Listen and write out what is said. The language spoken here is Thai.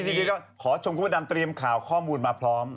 นี่ก็ขอชมคุณพระดำเตรียมข่าวข้อมูลมาพร้อม